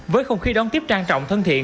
với không khí đón tiếp trang trọng thân thiện